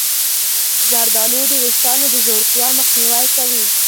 زردآلو د ویښتانو د ځوړتیا مخنیوی کوي.